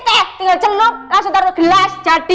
teh tinggal celup langsung taruh gelas jadi